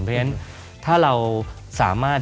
เพราะฉะนั้นถ้าเราสามารถ